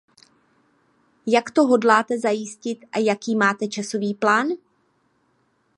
Jak to hodláte zajistit a jaký máte časový plán?